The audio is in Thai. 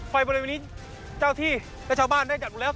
ไฟบริเวณนี้เจ้าที่และชาวบ้านได้จัดดูแล้ว